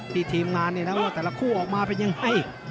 ที่ทีมงานว่าแต่ละคู่ออกมาเป็นยังไง